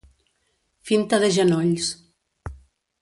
Finta de genolls: